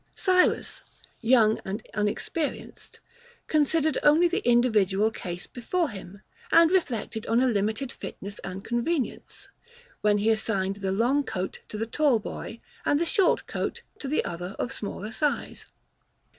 Cyrus, young and unexperienced, considered only the individual case before him, and reflected on a limited fitness and convenience, when he assigned the long coat to the tall boy, and the short coat to the other of smaller size.